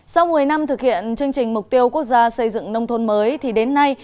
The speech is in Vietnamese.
sau một mươi năm thực hiện chương trình mục tiêu quốc gia xây dựng nông thôn mới thì đến nay